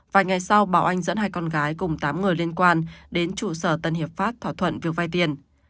và ngày sau bảo oanh dẫn hai con gái cùng tám người liên quan đến trụ sở tân hiệp pháp thỏa thuận việc vai tiền